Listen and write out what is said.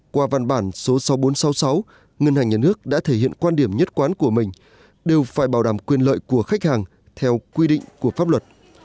qua văn bản số sáu nghìn bốn trăm sáu mươi sáu ngân hàng nhà nước đã thể hiện quan điểm nhất quán của mình đều phải bảo đảm quyền lợi của khách hàng theo quy định của pháp luật